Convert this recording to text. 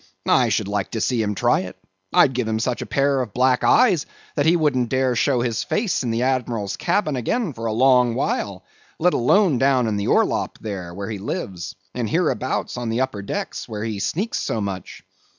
"I should like to see him try it; I'd give him such a pair of black eyes that he wouldn't dare to show his face in the admiral's cabin again for a long while, let alone down in the orlop there, where he lives, and hereabouts on the upper decks where he sneaks so much.